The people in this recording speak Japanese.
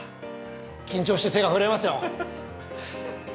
緊張して手が震えますよ。